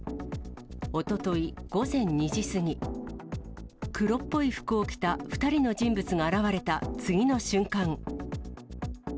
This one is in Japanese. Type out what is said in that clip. おととい午前２時過ぎ、黒っぽい服を着た２人の人物が現れた次の瞬間。